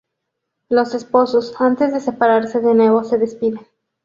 Los esposos, antes de separarse de nuevo, se despiden.